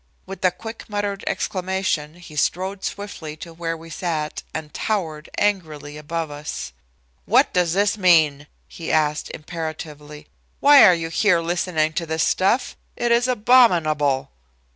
With a quick muttered exclamation he strode swiftly to where we sat and towered angrily above us. "What does this mean?" he asked imperatively. "Why are you here listening to this stuff? It is abominable."